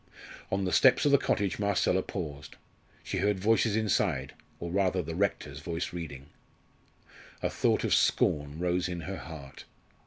On the steps of the cottage Marcella paused. She heard voices inside or rather the rector's voice reading. A thought of scorn rose in her heart.